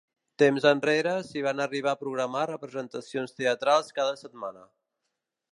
Temps enrere, s'hi van arribar a programar representacions teatrals cada setmana.